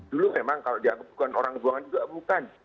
dulu memang kalau dia kebukaan orang kebuangan juga bukan